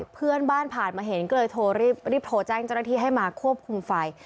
เพื่อนบ้านผ่านมาเห็นก็เลยรีบโทรแจ้งเจ้าหน้าที่ให้มาควบคุมไฟ